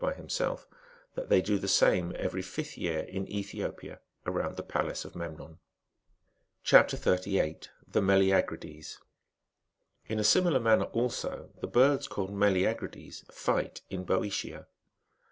507 himself, that they do the same every fifth year in ^Ethiopia, around the palace of Memnon. CHAP. 38. THE MELEAGRIDES. In a similar manner also, the birds called meleagrides^^ fight in Boeotia.